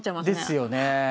ですよね。